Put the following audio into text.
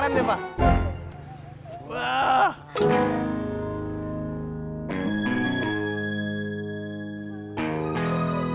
papa nadia mau dateng